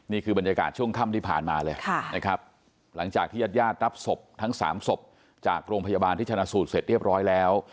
นี่คือบรรยากาศช่วงค่ำที่ผ่านมาเลยนะครับหลังจากที่ญาติญาติรับศพทั้ง๓ศพจากโรงพยาบาลที่ชนะสูตรเสร็จเรียบร้อยแล้ว